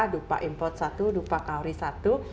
dupa import satu dupa kaori satu